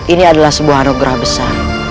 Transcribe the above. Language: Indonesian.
ini adalah sebuah anugerah besar